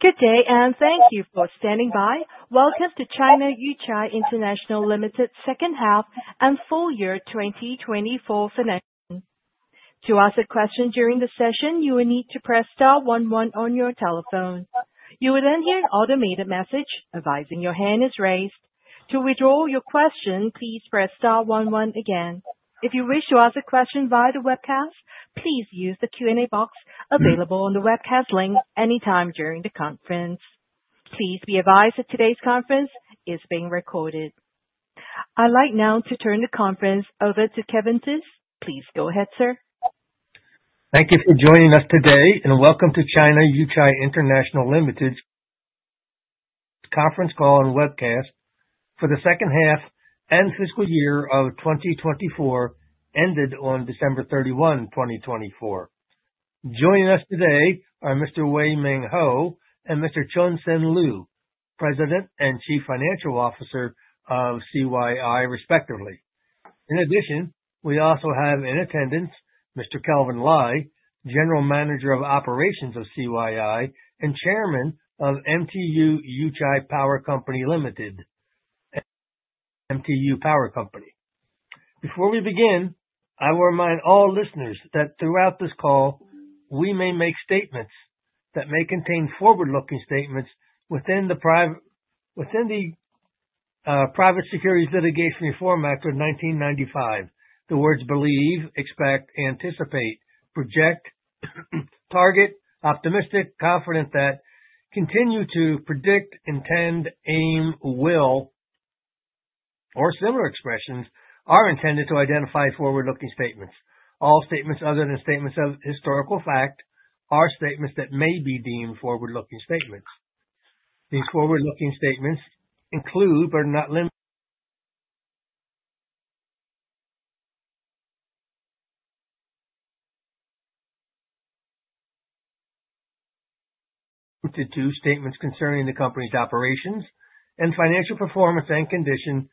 Good day, and thank you for standing by. Welcome to China Yuchai International Limited Second Half and Full Year 2024 Financing. To ask a question during the session, you will need to press star one one on your telephone. You will then hear an automated message advising your hand is raised. To withdraw your question, please press star one one again. If you wish to ask a question via the webcast, please use the Q&A box available on the webcast link anytime during the conference. Please be advised that today's conference is being recorded. I'd like now to turn the conference over to Kevin Theiss. Please go ahead, sir. Thank you for joining us today, and welcome to China Yuchai International Limited's conference call and webcast for the second half and fiscal year of 2024 ended on December 31, 2024. Joining us today are Mr. Weng Ming Hoh and Mr. Choon Sen Loo, President and Chief Financial Officer of CYI, respectively. In addition, we also have in attendance Mr. Kelvin Lai, General Manager of Operations of CYI and Chairman of MTU Yuchai Power Company Limited, MTU Power Company. Before we begin, I will remind all listeners that throughout this call, we may make statements that may contain forward-looking statements within the Private Securities Litigation Reform Act of 1995. The words believe, expect, anticipate, project, target, optimistic, confident that, continue to predict, intend, aim, will, or similar expressions are intended to identify forward-looking statements. All statements other than statements of historical fact are statements that may be deemed forward-looking statements. These forward-looking statements include, but are not limited to, statements concerning the company's operations and financial performance and condition,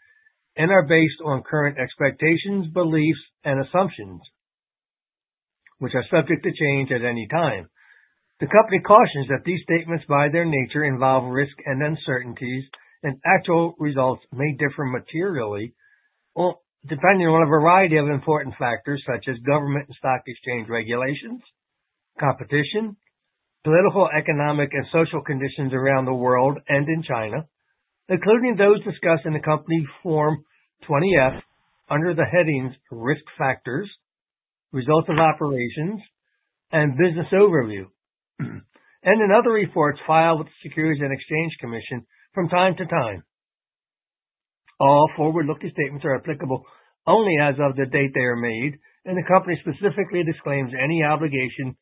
and are based on current expectations, beliefs, and assumptions, which are subject to change at any time. The company cautions that these statements, by their nature, involve risk and uncertainties, and actual results may differ materially depending on a variety of important factors such as government and stock exchange regulations, competition, political, economic, and social conditions around the world and in China, including those discussed in the Company's Form 20-F under the headings Risk Factors, Results of Operations, and Business Overview, and in other reports filed with the Securities and Exchange Commission from time to time. All forward-looking statements are applicable only as of the date they are made, and the company specifically disclaims any obligation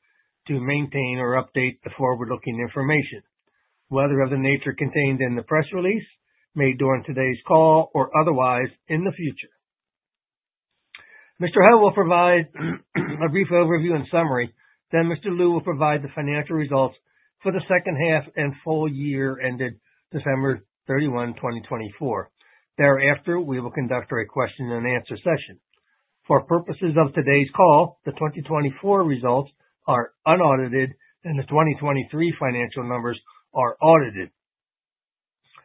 to maintain or update the forward-looking information, whether of the nature contained in the press release made during today's call or otherwise in the future. Mr. Ho will provide a brief overview and summary. Then Mr. Loo will provide the financial results for the second half and full year ended December 31, 2024. Thereafter, we will conduct a question-and-answer session. For purposes of today's call, the 2024 results are unaudited, and the 2023 financial numbers are audited,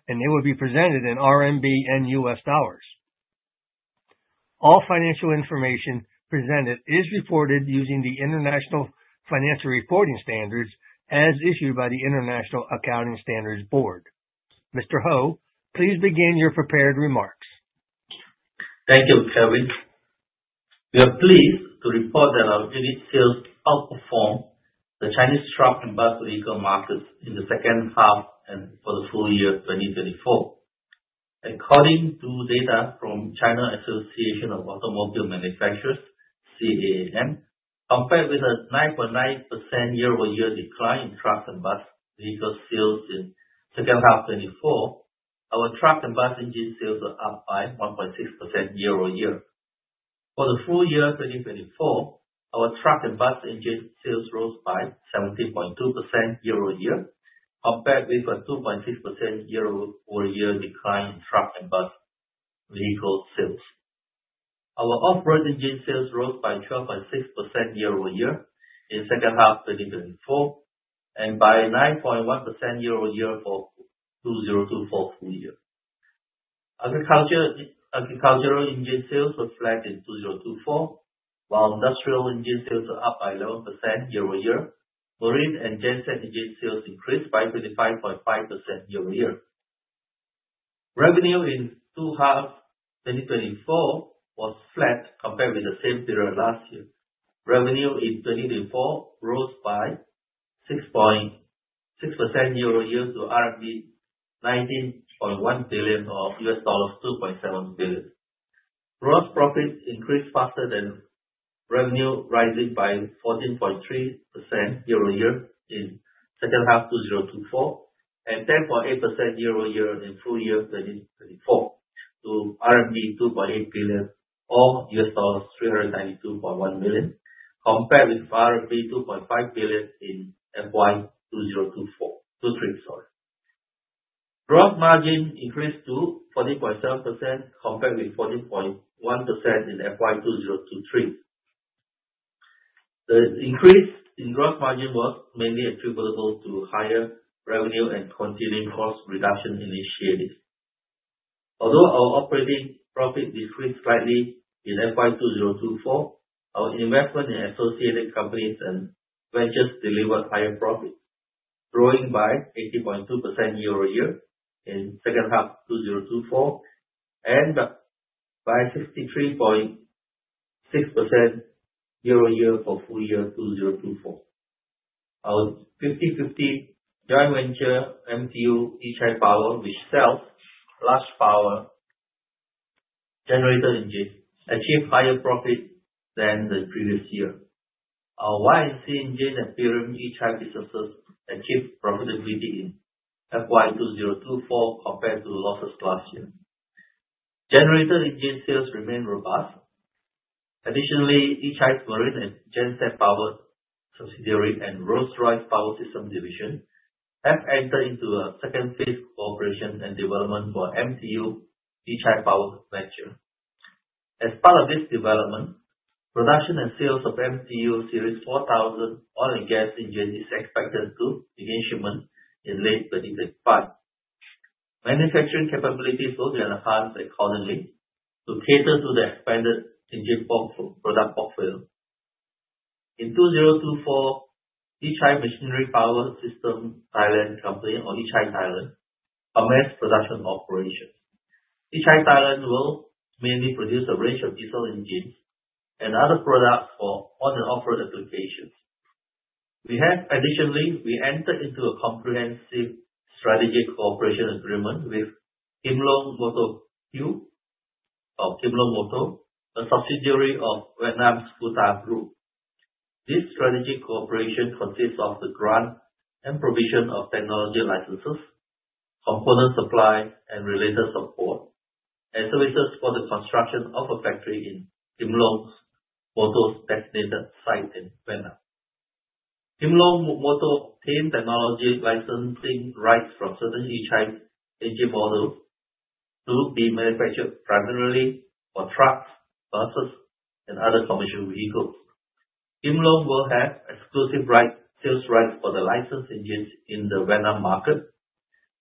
and they will be presented in RMB and US dollars. All financial information presented is reported using the International Financial Reporting Standards as issued by the International Accounting Standards Board. Mr. Ho, please begin your prepared remarks. Thank you, Kevin. We are pleased to report that our units still outperform the Chinese truck and bus vehicle markets in the second half and for the full year 2024. According to data from China Association of Automobile Manufacturers, CAAM, compared with a 9.9% year-over-year decline in truck and bus vehicle sales in the second half of 2024, our truck and bus engine sales are up by 1.6% year-over-year. For the full year 2024, our truck and bus engine sales rose by 17.2% year-over-year, compared with a 2.6% year-over-year decline in truck and bus vehicle sales. Our off-road engine sales rose by 12.6% year-over-year in the second half of 2024, and by 9.1% year-over-year for 2024 full year. Agricultural engine sales were flat in 2024, while Industrial Engine Sales were up by 11% year-over-year. Marine and genset engine sales increased by 25.5% year-over-year. Revenue in the second half of 2024 was flat compared with the same period last year. Revenue in 2024 rose by 6.6% year-over-year to RMB 19.1 billion or $2.7 billion. Gross profits increased faster than revenue, rising by 14.3% year-over-year in the second half of 2024 and 10.8% year-over-year in full year 2024 to 2.8 billion or $392.1 million, compared with 2.5 billion in FY 2024. Gross margin increased to 14.7% compared with 14.1% in FY 2023. The increase in gross margin was mainly attributable to higher revenue and continuing cost reduction initiatives. Although our operating profit decreased slightly in FY 2024, our investment in associated companies and ventures delivered higher profits, growing by 80.2% year-over-year in the second half of 2024 and by 63.6% year-over-year for full year 2024. Our 50/50 joint venture, MTU Yuchai Power, which sells large power generator engines, achieved higher profits than the previous year. Our Y&C engine and Guangxi Yuchai Automotive Energy Company Limited businesses achieved profitability in FY 2024 compared to losses last year. Generator engine sales remained robust. Additionally, Yuchai's Marine and Genset Power Subsidiary and Rolls-Royce Power Systems Division have entered into a second phase of cooperation and development for MTU Yuchai Power Venture. As part of this development, production and sales of MTU Series 4000 oil and gas engines is expected to begin shipment in late 2025. Manufacturing capabilities will be enhanced accordingly to cater to the expanded engine product portfolio. In 2024, Yuchai Machinery Power Systems Thailand Company, or Yuchai Thailand, commenced production operations. Yuchai Thailand will mainly produce a range of diesel engines and other products for on- and off-road applications. Additionally, we entered into a comprehensive strategic cooperation agreement with Kim Long Motor Group, a subsidiary of Vietnam's Futa Group. This strategic cooperation consists of the grant and provision of technology licenses, component supply, and related support, and services for the construction of a factory in Kim Long Motor's designated site in Vietnam. Kim Long Motor obtained technology licensing rights from certain Yuchai engine models to be manufactured primarily for trucks, buses, and other commercial vehicles. Kim Long Motor will have exclusive sales rights for the licensed engines in the Vietnam market,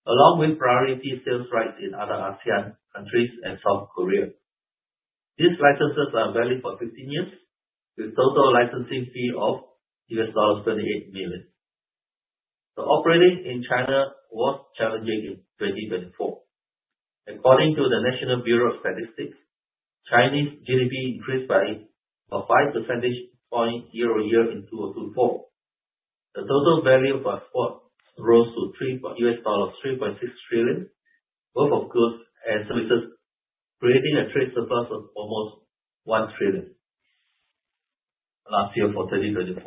along with priority sales rights in other ASEAN countries and South Korea. These licenses are valid for 15 years, with a total licensing fee of $28 million. The operations in China was challenging in 2024. According to the National Bureau of Statistics, Chinese GDP increased by 5 percentage points year-over-year in 2024. The total value of exports rose to $3.6 trillion, both of goods and services, creating a trade surplus of almost $1 trillion last year for 2024.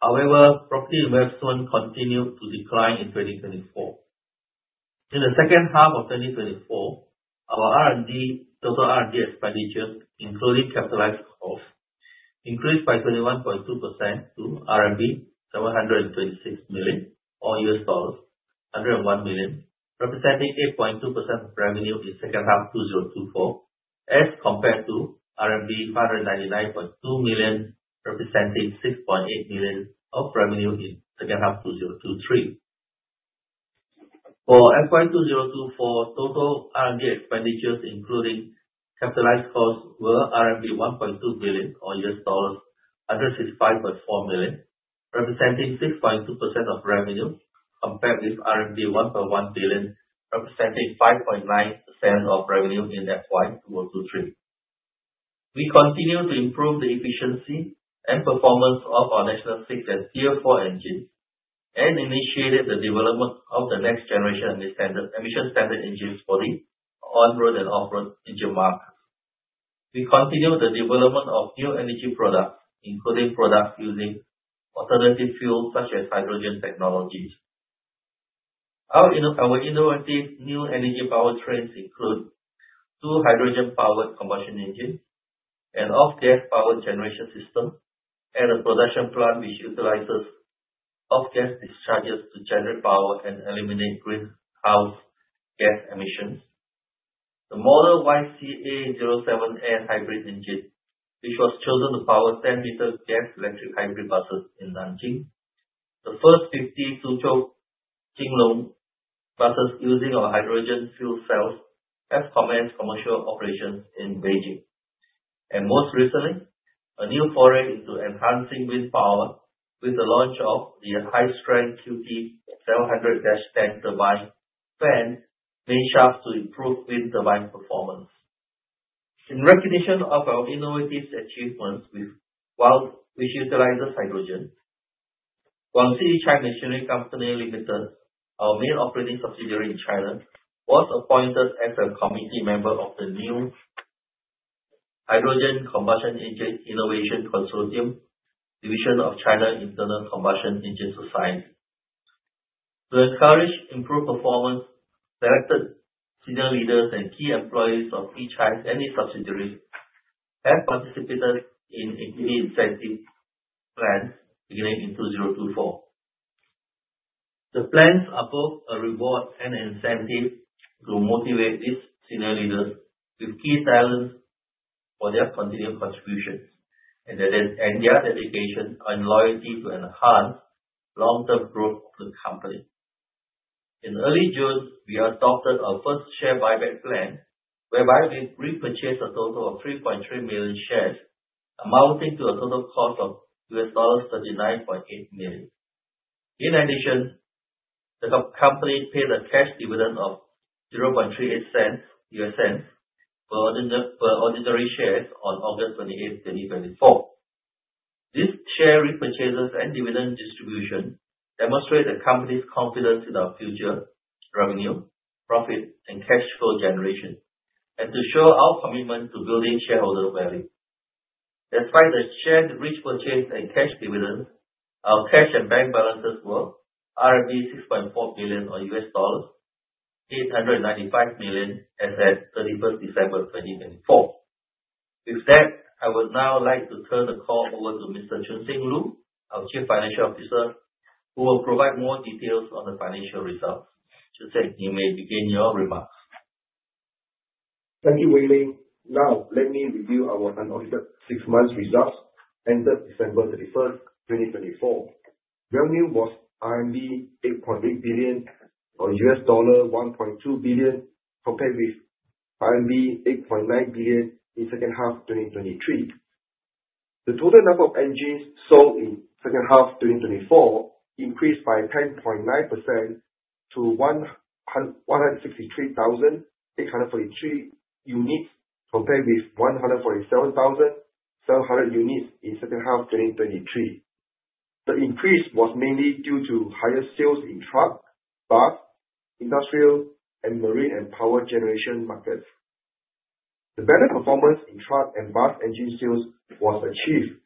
However, property investment continued to decline in 2024. In the second half of 2024, our total R&D expenditure, including capitalized costs, increased by 21.2% to RMB 726 million, or $101 million, representing 8.2% of revenue in the second half of 2024, as compared to RMB 599.2 million, representing 6.8% of revenue in the second half of 2023. For FY 2024, total R&D expenditures, including capitalized costs, were RMB 1.2 billion, or $165.4 million, representing 6.2% of revenue, compared with RMB 1.1 billion, representing 5.9% of revenue in FY 2023. We continue to improve the efficiency and performance of our National VI and Tier 4 engines and initiated the development of the next generation emission-standard engines for the on-road and off-road engine markets. We continue the development of new energy products, including products using alternative fuels such as hydrogen technologies. Our innovative new energy power trains include two hydrogen-powered combustion engines, an off-gas power generation system, and a production plant which utilizes off-gas discharges to generate power and eliminate greenhouse gas emissions. The model YCA07N hybrid engine, which was chosen to power 10-liter gas-electric hybrid buses in Nanjing. The first 50 Suzhou King Long buses using our hydrogen fuel cells has commenced commercial operations in Beijing, and most recently, a new foray into enhancing wind power with the launch of the high-strength QT 700-10 turbine fan main shaft to improve wind turbine performance. In recognition of our innovative achievements with the Hydrogen Combustion Engine which utilizes hydrogen, Guangxi Yuchai Machinery Company Limited, our main operating subsidiary in China, was appointed as a committee member of the new Hydrogen Combustion Engine Innovation Consortium Division of China Internal Combustion Engine Society. To encourage improved performance, selected senior leaders and key employees of Yuchai's subsidiary have participated in incentive plans beginning in 2024. The plans are both a reward and an incentive to motivate these senior leaders with key talents for their continued contributions and their dedication and loyalty to enhance long-term growth of the company. In early June, we adopted our first share buyback plan, whereby we repurchased a total of 3.3 million shares, amounting to a total cost of $39.8 million. In addition, the company paid a cash dividend of $0.0038 per ordinary shares on August 28, 2024. These share repurchases and dividend distributions demonstrate the company's confidence in our future revenue, profit, and cash flow generation, and to show our commitment to building shareholder value. Despite the share repurchase and cash dividends, our cash and bank balances were RMB 6.4 billion or $895 million as at 31st December 2024. With that, I would now like to turn the call over to Mr. Choon Sen Loo, our Chief Financial Officer, who will provide more details on the financial results. Choon Sen, you may begin your remarks. Thank you, Weng Ming. Now, let me review our unaudited six months' results ended December 31, 2024. Revenue was RMB 8.8 billion or $1.2 billion, compared with RMB 8.9 billion in the second half of 2023. The total number of engines sold in the second half of 2024 increased by 10.9% to 163,843 units, compared with 147,700 units in the second half of 2023. The increase was mainly due to higher sales in truck, bus, industrial, and Marine and power generation markets. The better performance in truck and bus engine sales was achieved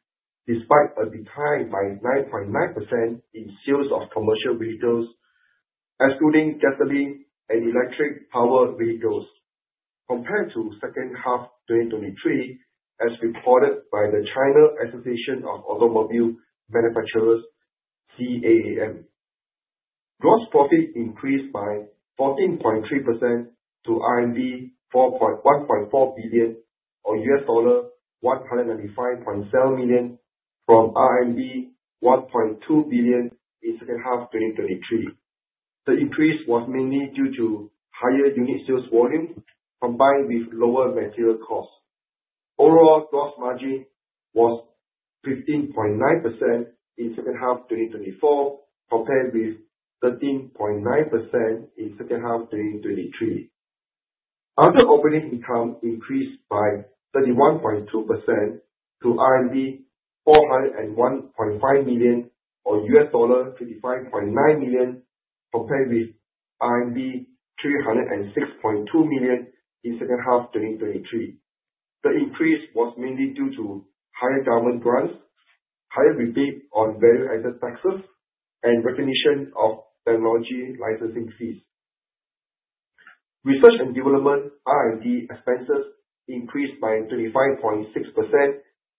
despite a decline by 9.9% in sales of commercial vehicles, excluding gasoline and electric power vehicles, compared to the second half of 2023, as reported by the China Association of Automobile Manufacturers, CAAM. Gross profit increased by 14.3% to RMB 1.4 billion or $195.7 million from RMB 1.2 billion in the second half of 2023. The increase was mainly due to higher unit sales volume combined with lower material costs. Overall, gross margin was 15.9% in the second half of 2024, compared with 13.9% in the second half of 2023. Other operating income increased by 31.2% to RMB 401.5 million or $55.9 million, compared with RMB 306.2 million in the second half of 2023. The increase was mainly due to higher government grants, higher rebate on value-added taxes, and recognition of technology licensing fees. Research and development (R&D) expenses increased by 25.6%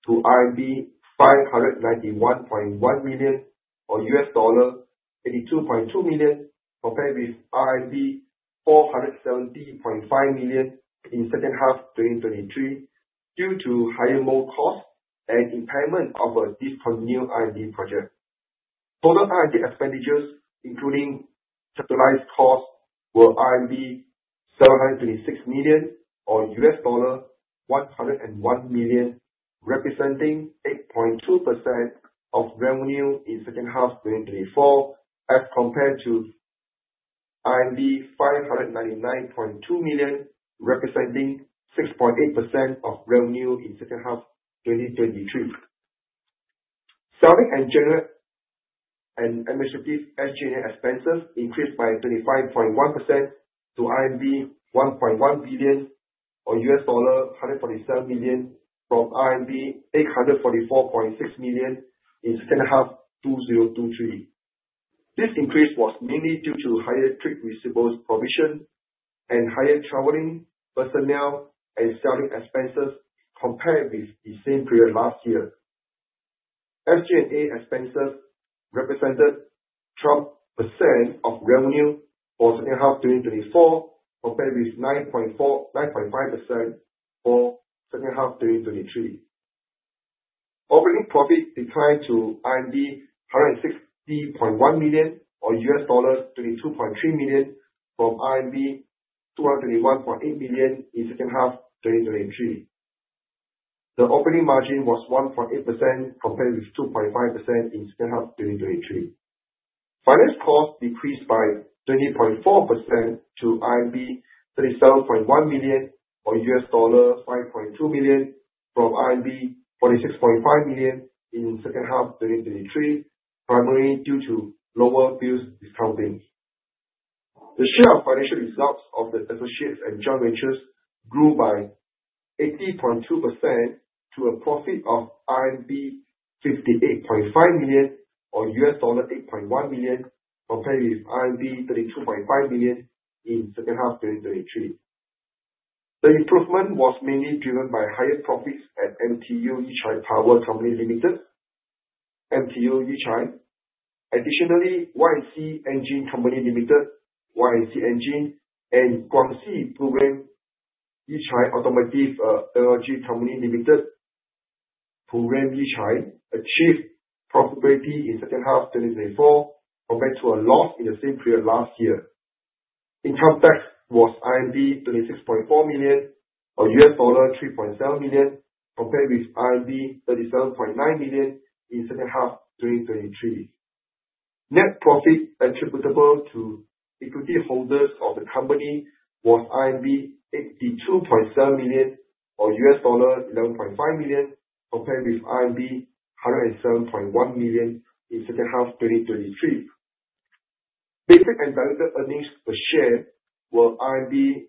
to RMB 591.1 million or $82.2 million, compared with RMB 470.5 million in the second half of 2023, due to higher mold costs and impairment of a discontinued R&D project. Total R&D expenditures, including capitalized costs, were RMB 726 million or $101 million, representing 8.2% of revenue in the second half of 2024, as compared to RMB 599.2 million, representing 6.8% of revenue in the second half of 2023. Selling, general and administrative (SG&A) expenses increased by 25.1% to 1.1 billion or $147 million from RMB 844.6 million in the second half of 2023. This increase was mainly due to higher travel, personnel and selling expenses compared with the same period last year. SG&A expenses represented 12% of revenue for the second half of 2024, compared with 9.5% for the second half of 2023. Operating profit declined to 160.1 million or $22.3 million from 221.8 million in the second half of 2023. The operating margin was 1.8% compared with 2.5% in the second half of 2023. Finance costs decreased by 20.4% to 37.1 million or $5.2 million from 46.5 million in the second half of 2023, primarily due to lower bills discounting. The share of financial results of the associates and joint ventures grew by 80.2% to a profit of RMB 58.5 million or $8.1 million, compared with RMB 32.5 million in the second half of 2023. The improvement was mainly driven by higher profits at MTU Yuchai Power Company Limited, MTU Yuchai. Additionally, Y&C Engine Company Limited, Y&C Engine, and Guangxi Yuchai Automotive Energy Company Limited, Guangxi Yuchai, achieved profitability in the second half of 2024, compared to a loss in the same period last year. Income tax was 26.4 million or $3.7 million, compared with RMB 37.9 million in the second half of 2023. Net profit attributable to equity holders of the company was 82.7 million or $11.5 million, compared with 107.1 million in the second half of 2023. Basic and diluted earnings per share were RMB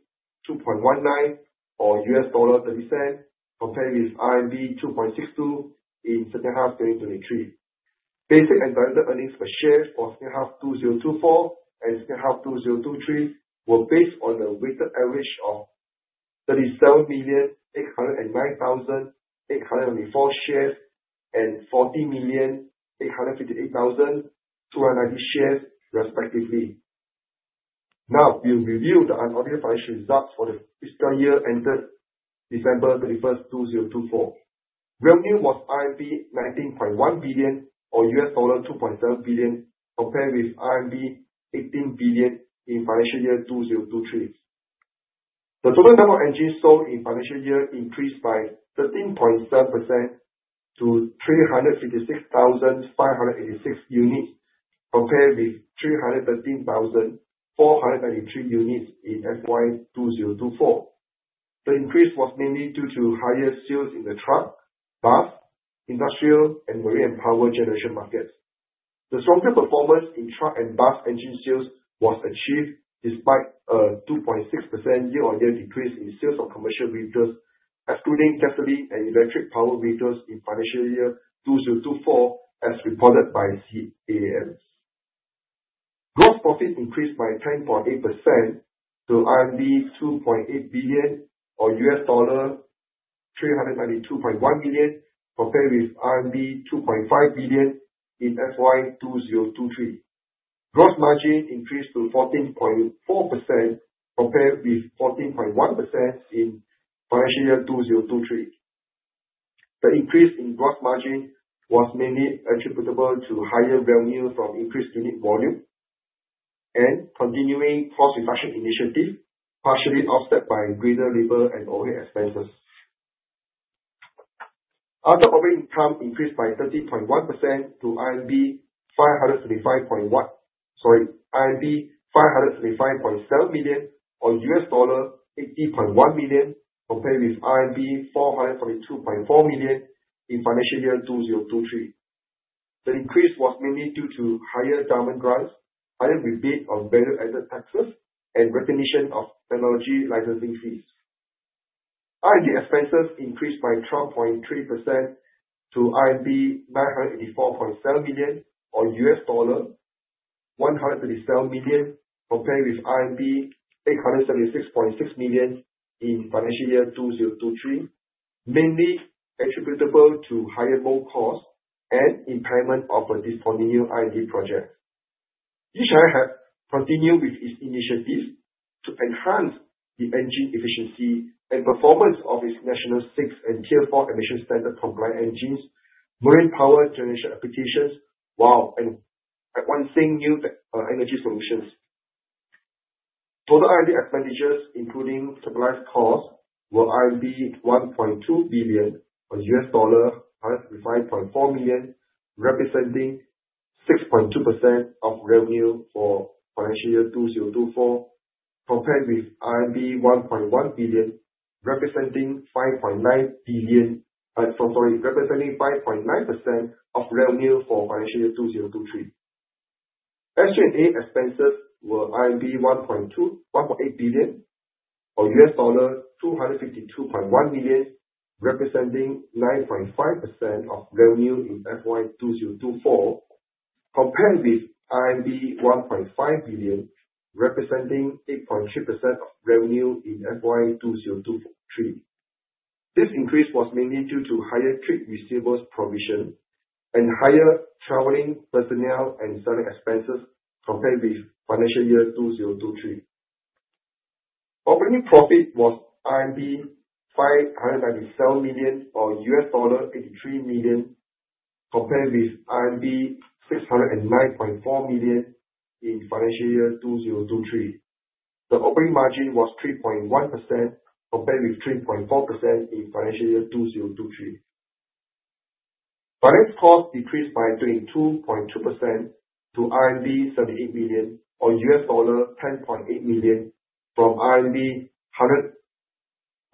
2.19 or $0.30, compared with RMB 2.62 in the second half of 2023. Basic and diluted earnings per share for the second half of 2024 and the second half of 2023 were based on the weighted average of 37,809,824 shares and 40,858,290 shares, respectively. Now, we will review the unaudited financial results for the fiscal year ended December 31, 2024. Revenue was RMB 19.1 billion or $2.7 billion, compared with RMB 18 billion in financial year 2023. The total number of engines sold in financial year increased by 13.7% to 356,586 units, compared with 313,493 units in FY 2024. The increase was mainly due to higher sales in the truck, bus, industrial, and Marine and power generation markets. The stronger performance in truck and bus engine sales was achieved despite a 2.6% year-on-year decrease in sales of commercial vehicles, excluding gasoline and electric power vehicles in financial year 2024, as reported by CAAM. Gross profit increased by 10.8% to RMB 2.8 billion or $392.1 million, compared with RMB 2.5 billion in FY 2023. Gross margin increased to 14.4% compared with 14.1% in financial year 2023. The increase in gross margin was mainly attributable to higher revenue from increased unit volume and continuing cost reduction initiatives, partially offset by higher labor and overhead expenses. Other operating income increased by 13.1% to 535.1, sorry, 535.7 million or $80.1 million, compared with 442.4 million in financial year 2023. The increase was mainly due to higher government grants, higher rebate on value-added taxes, and recognition of technology licensing fees. R&D expenses increased by 12.3% to RMB 984.7 million or $137 million, compared with RMB 876.6 million in financial year 2023, mainly attributable to higher mold costs and impairment of a discontinued R&D project. Yuchai has continued with its initiatives to enhance the engine efficiency and performance of its National VI and Tier 4 emission standard compliant engines, Marine power generation applications, wow, and advancing new energy solutions. Total R&D expenditures, including capitalized costs, were 1.2 billion or $135.4 million, representing 6.2% of revenue for financial year 2024, compared with RMB 1.1 billion, representing 5.9% of revenue for financial year 2023. SG&A expenses were 1.8 billion or $252.1 million, representing 9.5% of revenue in FY 2024, compared with RMB 1.5 billion, representing 8.3% of revenue in FY 2023. This increase was mainly due to higher trade receivables provision and higher traveling personnel and selling expenses, compared with financial year 2023. Operating profit was RMB 597 million or $83 million, compared with RMB 609.4 million in financial year 2023. The operating margin was 3.1%, compared with 3.4% in financial year 2023. Finance costs decreased by 22.2% to RMB 78 million or $10.8 million from RMB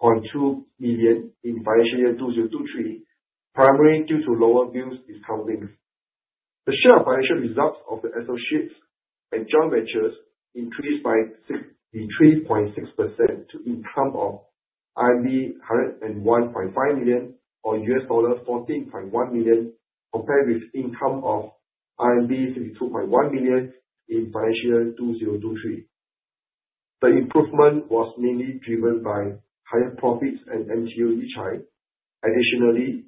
100.2 million in financial year 2023, primarily due to lower bills discounting. The share of financial results of the associates and joint ventures increased by 63.6% to income of 101.5 million or $14.1 million, compared with income of 52.1 million in financial year 2023. The improvement was mainly driven by higher profits at MTU Yuchai. Additionally,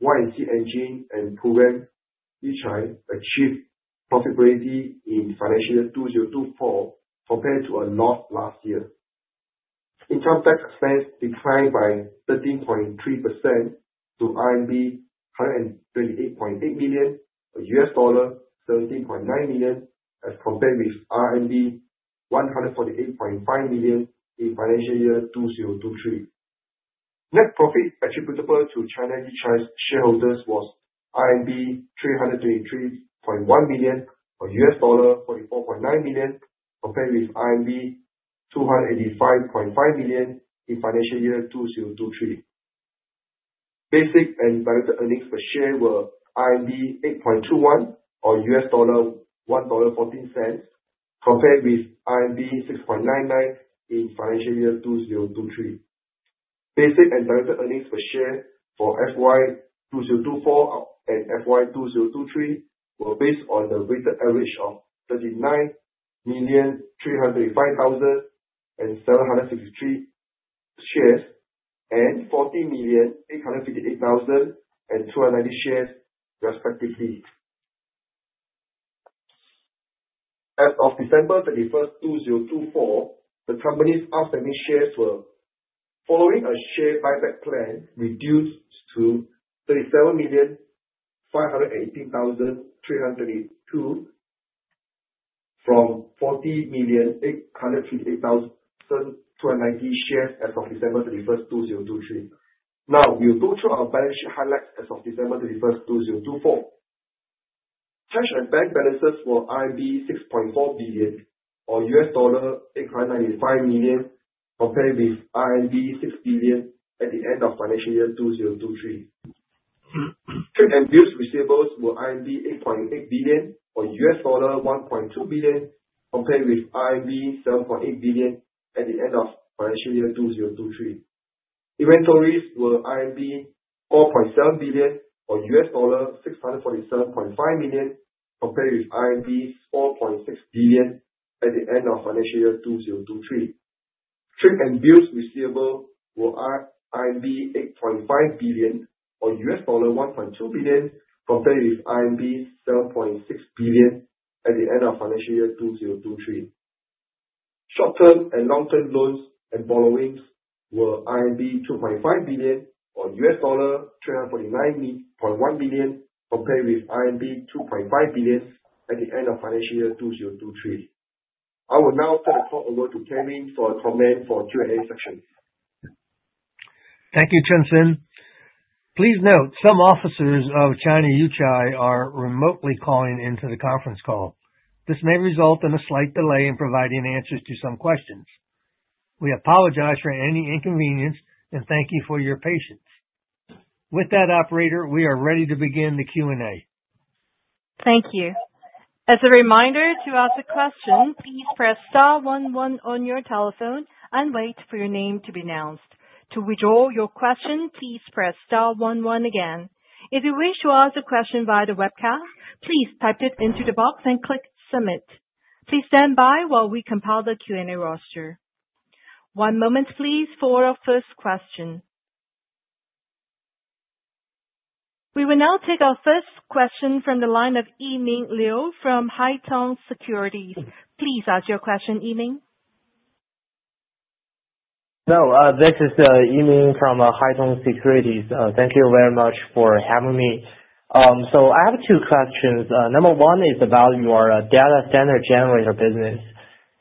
Y&C Engine and Guangxi Yuchai achieved profitability in financial year 2024, compared to a loss last year. Income tax expense declined by 13.3% to RMB 128.8 million or $17.9 million, as compared with RMB 148.5 million in financial year 2023. Net profit attributable to China Yuchai's shareholders was 323.1 million or $44.9 million, compared with 285.5 million in financial year 2023. Basic and diluted earnings per share were RMB 8.21 or $1.14, compared with RMB 6.99 in financial year 2023. Basic and diluted earnings per share for FY 2024 and FY 2023 were based on the weighted average of 39,325,763 shares and 40,858,290 shares, respectively. As of December 31, 2024, the company's outstanding shares were, following a share buyback plan, reduced to 37,518,332 from 40,858,290 shares as of December 31, 2023. Now, we will go through our balance sheet highlights as of December 31, 2024. Cash and bank balances were 6.4 billion or $895 million, compared with RMB 6 billion at the end of financial year 2023. Trade and bills receivables were 8.8 billion or $1.2 billion, compared with 7.8 billion at the end of financial year 2023. Inventories were 4.7 billion or $647.5 million, compared with RMB 4.6 billion at the end of financial year 2023. Trade and bills receivables were 8.5 billion or $1.2 billion, compared with 7.6 billion at the end of financial year 2023. Short-term and long-term loans and borrowings were RMB 2.5 billion or $349.1 million, compared with RMB 2.5 billion at the end of financial year 2023. I will now turn the call over to Kevin for a comment for Q&A section. Thank you, Choon Sen. Please note, some officers of China Yuchai are remotely calling into the conference call. This may result in a slight delay in providing answers to some questions. We apologize for any inconvenience and thank you for your patience. With that, Operator, we are ready to begin the Q&A. Thank you. As a reminder to ask a question, please press star one one on your telephone and wait for your name to be announced. To withdraw your question, please press star one one again. If you wish to ask a question via the webcast, please type it into the box and click submit. Please stand by while we compile the Q&A roster. One moment, please, for our first question. We will now take our first question from the line of Yiming Liu from Haitong Securities. Please ask your question, Yiming. Hello, this is Yiming from Haitong Securities. Thank you very much for having me. So I have two questions. Number one is about your data center generator business.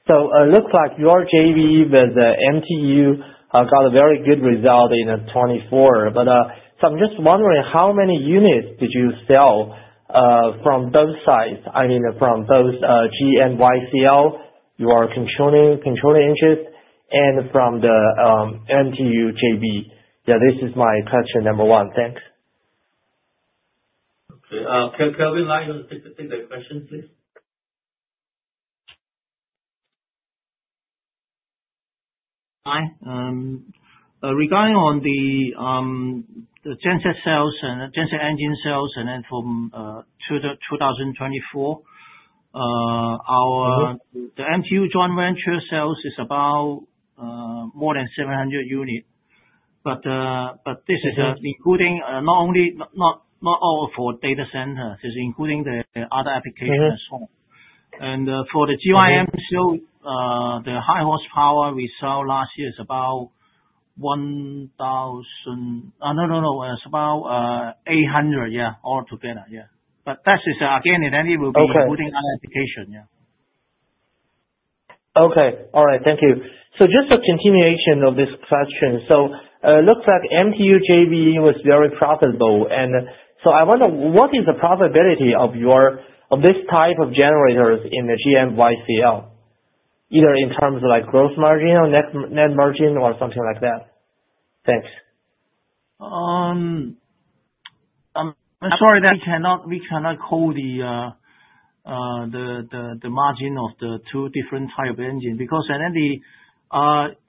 So it looks like your JV with MTU got a very good result in 2024. So I'm just wondering, how many units did you sell from both sides? I mean, from both GYMCL, your controlling interest, and from the MTU JV? Yeah, this is my question number one. Thanks. Okay. Can Kelvin Lai take the question, please? Hi. Regarding on the Genset sales and Genset Engine sales and then from 2024, the MTU joint venture sales is about more than 700 units. But this is including not all for data centers. It's including the other applications as well. And for the GYMCL, the high horsepower we sell last year is about 1,000 no, no, no, it's about 800, yeah, altogether. Yeah. But that is, again, it will be including other applications. Yeah. Okay. All right. Thank you. So just a continuation of this question. So it looks like MTU JV was very profitable. I wonder what the profitability is of this type of generators in the GYMCL, either in terms of gross margin or net margin or something like that. Thanks. I'm sorry that we cannot quote the margin of the two different types of engines because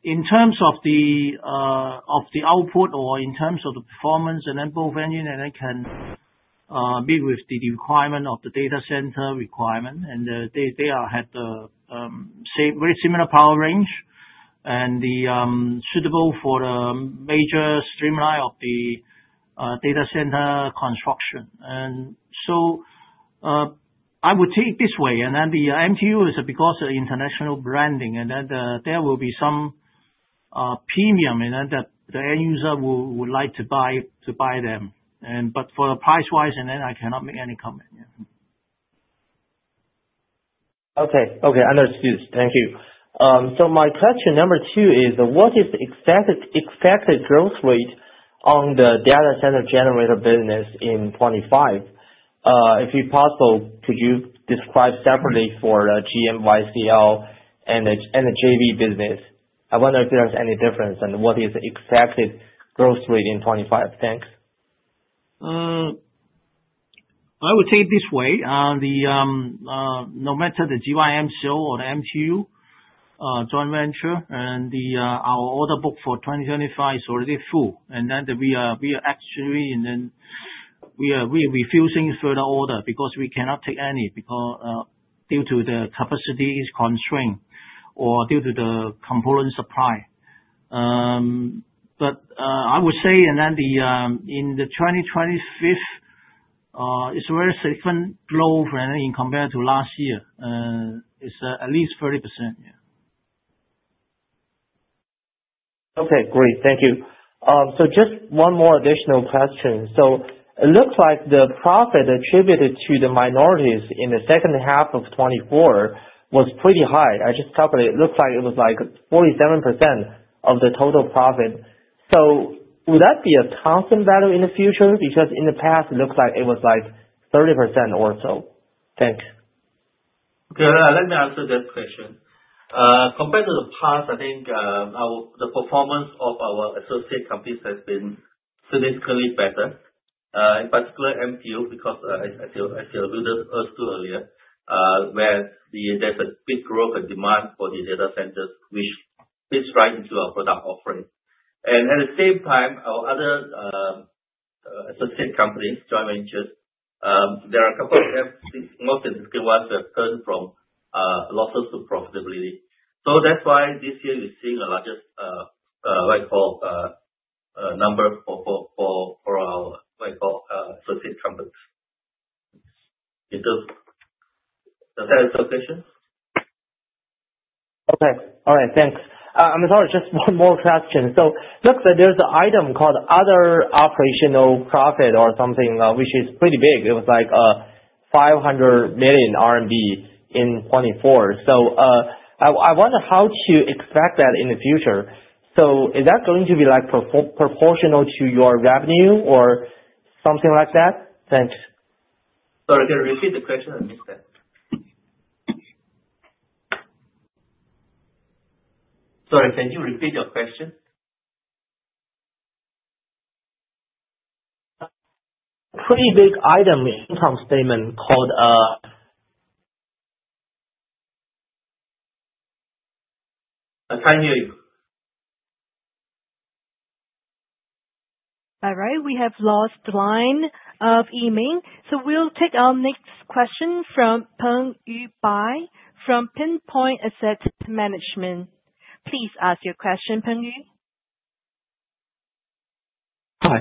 in terms of the output or in terms of the performance, and then both engines can meet with the requirement of the data center requirement. And they have very similar power range and suitable for the mainstream of the data center construction. And so I would take it this way. And then the MTU is because of international branding, and then there will be some premium that the end user would like to buy them. But for price-wise, and then I cannot make any comment. Yeah. Okay. Okay. Understood. Thank you. So my question number two is, what is the expected growth rate on the data center generator business in 2025? If possible, could you describe separately for GYMCL and the JV business? I wonder if there's any difference and what is the expected growth rate in 2025? Thanks. I would take it this way. No matter the GYMCL or the MTU joint venture, and our order book for 2025 is already full. And then we are actually refusing further order because we cannot take any due to the capacity constraint or due to the component supply. But I would say in 2025, it's a very significant growth in comparison to last year. It's at least 30%. Yeah. Okay. Great. Thank you. So just one more additional question. So it looks like the profit attributed to the minorities in the second half of 2024 was pretty high. I just calculated. It looks like it was like 47% of the total profit. So would that be a constant value in the future? Because in the past, it looked like it was like 30% or so. Thanks. Okay. Let me answer that question. Compared to the past, I think the performance of our associate companies has been significantly better, in particular MTU because I think I asked you earlier where there's a big growth and demand for the data centers, which fits right into our product offering. And at the same time, our other associate companies, joint ventures, there are a couple of most significant ones that turn from losses to profitability. So that's why this year we're seeing a larger share number for our share associate companies. Does that answer your question? Okay. All right. Thanks. I'm sorry. Just one more question. So look, there's an item called other operational profit or something, which is pretty big. It was like 500 million RMB in 2024. So I wonder how to expect that in the future. So is that going to be proportional to your revenue or something like that? Thanks. Sorry. Can you repeat the question? I missed that. Sorry. Can you repeat your question? Pretty big item income statement called other. [inaudible] All right. We have lost [the] line of Yiming. So we'll take our next question from Pengyu Bai from Pinpoint Asset Management. Please ask your question, Pengyu. Hi.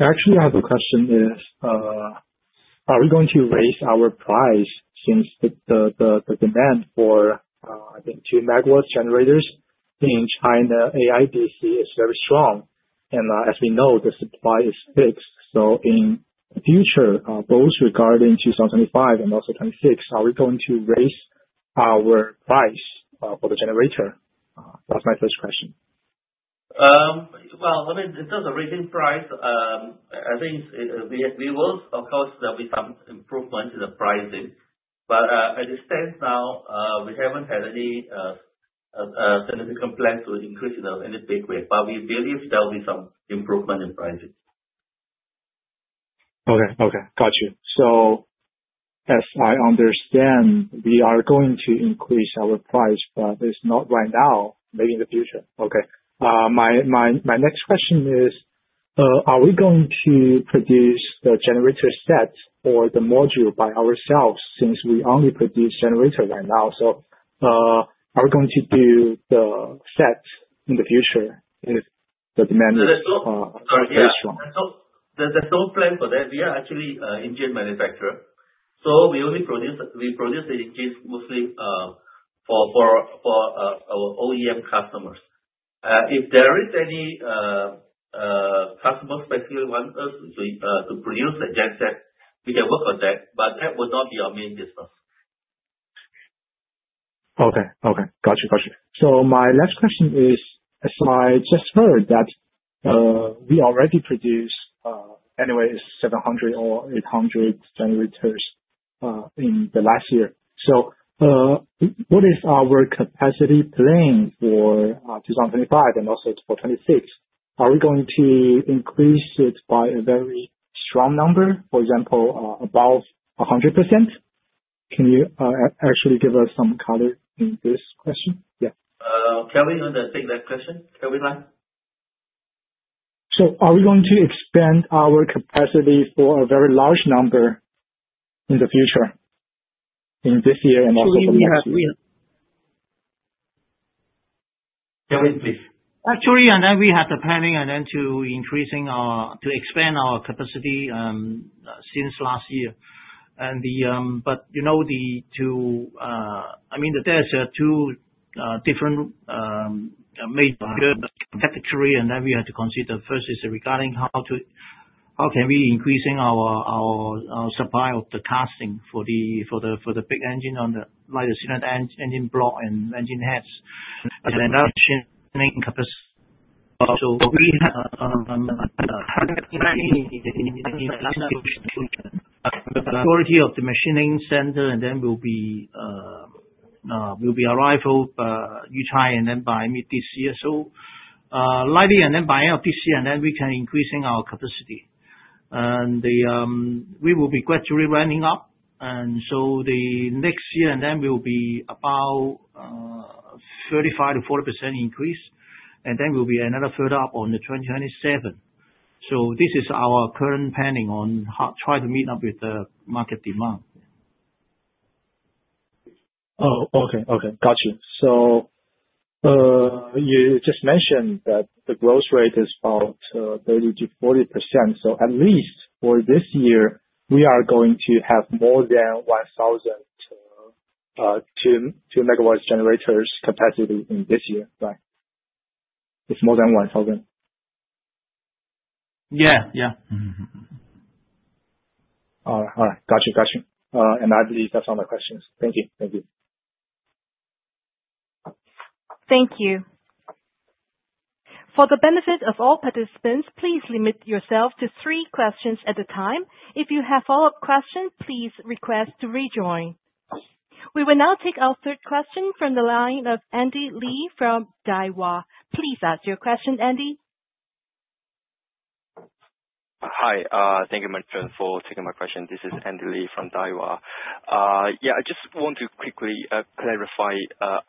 Actually, I have a question. Are we going to raise our price since the demand for, I think, two MW generators in China AIDC is very strong? And as we know, the supply is fixed. So in the future, both regarding 2025 and also 2026, are we going to raise our price for the generator? That's my first question. Well, it does raise in price. I think we will, of course, there'll be some improvement in the pricing. But at this stage now, we haven't had any significant plans to increase in any big way. But we believe there'll be some improvement in pricing. Okay. Okay. Got you. So as I understand, we are going to increase our price, but it's not right now. Maybe in the future. Okay. My next question is, are we going to produce the generator set or the module by ourselves since we only produce generators right now? So are we going to do the set in the future if the demand is very strong? There's no plan for that. We are actually an engine manufacturer. So we produce the engines mostly for our OEM customers. If there is any customer specifically wants us to produce a Genset, we can work on that. But that would not be our main business. Okay. Okay. Got you. Got you. So my last question is, as I just heard, that we already produced anyway 700 or 800 generators in the last year. So what is our capacity plan for 2025 and also for 2026? Are we going to increase it by a very strong number, for example, above 100%? Can you actually give us some color in this question? Yeah. Kevin, you want to take that question? Kelvin Lai? So are we going to expand our capacity for a very large number in the future, in this year and also for next year? Kevin, please. Actually, we had a planning and then to increasing to expand our capacity since last year. But you know the two I mean, there's two different major categories and then we had to consider. First is regarding how can we increase our supply of the casting for the big engine on the lighter cylinder engine block and engine heads. And then that machining capacity. So we have a planning in the future. Majority of the machining center and then will be arrival by Yuchai and then by mid this year. So likely and then by end of this year, and then we can increase our capacity. And we will be gradually ramping up. And so the next year and then we will be about 35%-40% increase. And then we'll be another further up on the 2027. So this is our current planning on trying to meet up with the market demand. Oh, okay. Okay. Got you. So you just mentioned that the growth rate is about 30%-40%. So at least for this year, we are going to have more than 1,000- to 2-MW generators capacity in this year, right? It's more than 1,000. Yeah. Yeah. All right. All right. Got you. Got you. And I believe that's all my questions. Thank you. Thank you. Thank you. For the benefit of all participants, please limit yourself to three questions at a time. If you have follow-up questions, please request to rejoin. We will now take our third question from the line of Andy Li from Daiwa. Please ask your question, Andy. Hi. Thank you, Madam, for taking my question. This is Andy Li from Daiwa. Yeah. I just want to quickly clarify.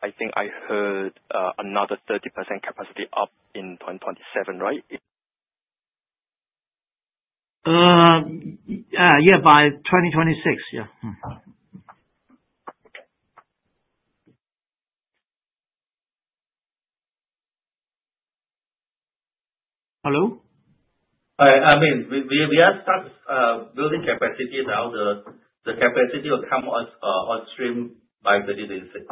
I think I heard another 30% capacity up in 2027, right? Yeah. By 2026. Yeah. Hello? Hi. I mean, we are starting building capacity now. The capacity will come up upstream by 2026.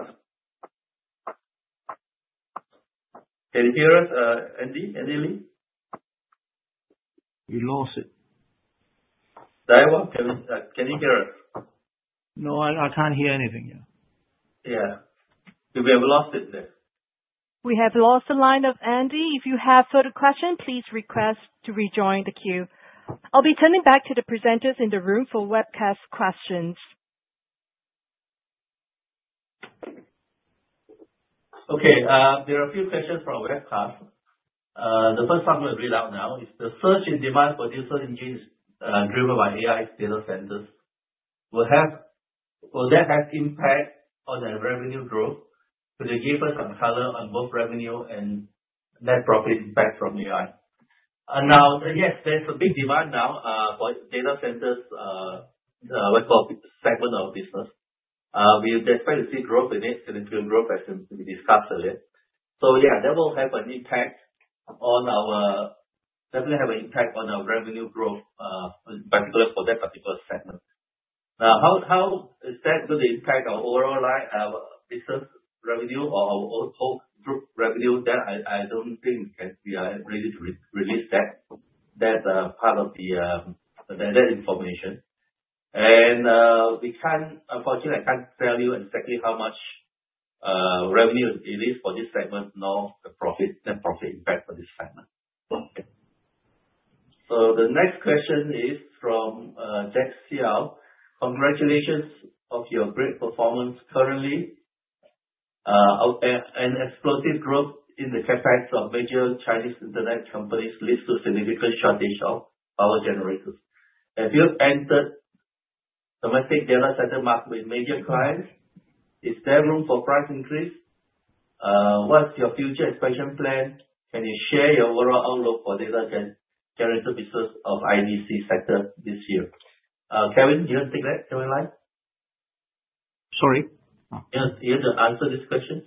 Can you hear us, Andy Lee? We lost it. Daiwa, Kevin, can you hear us? No, I can't hear anything. Yeah. Yeah. We have lost it there. We have lost the line of Andy. If you have further questions, please request to rejoin the queue. I'll be turning back to the presenters in the room for webcast questions. Okay. There are a few questions for our webcast. The first one we'll read out now is the surge in demand for diesel engines driven by AI data centers. Will that have impact on the revenue growth? Could you give us some color on both revenue and net profit impact from AI? Now, yes, there's a big demand now for data centers, what's called segment of business. We expect to see growth in it, significant growth, as we discussed earlier. So yeah, that will definitely have an impact on our revenue growth, particularly for that particular segment. Now, how is that going to impact our overall business revenue or our whole group revenue? That, I don't think we are ready to release that part of the information. And unfortunately, I can't tell you exactly how much revenue it is for this segment, nor the net profit impact for this segment. So the next question is from Jack Xiao. Congratulations on your great performance currently. An explosive growth in the CapEx of major Chinese internet companies leads to significant shortage of power generators. Have you entered domestic data center market with major clients? Is there room for price increase? What's your future expansion plan? Can you share your overall outlook for data generator business of IDC sector this year? Kevin, you want to take that? Kelvin Lai? Sorry? You want to answer this question?